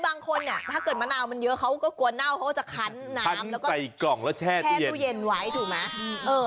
อันนี้คือเขาลองกินให้ดูหรอ